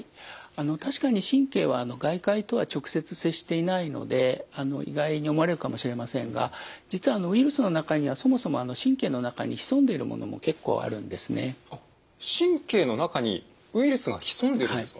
あの確かに神経は外界とは直接接していないので意外に思われるかもしれませんが実はウイルスの中にはそもそも神経の中にウイルスが潜んでいるんですか？